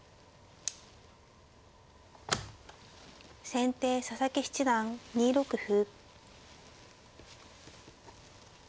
先手佐々木七段２六歩。